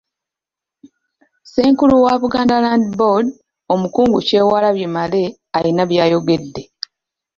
Ssenkulu wa Buganda Land Board, Omukungu Kyewalabye Male alina by'ayogedde.